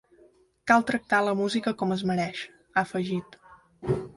Cal tractar a la música com es mereix, ha afegit.